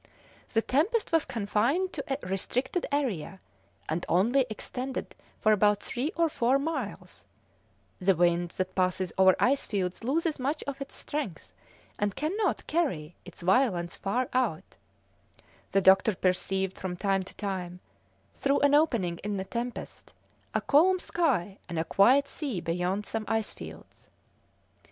The tempest was confined to a restricted area, and only extended for about three or four miles; the wind that passes over ice fields loses much of its strength and cannot carry its violence far out; the doctor perceived from time to time, through an opening in the tempest, a calm sky and a quiet sea beyond some ice fields.